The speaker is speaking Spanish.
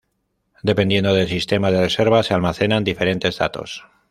Dependiendo del sistema de reservas se almacenan diferentes datos.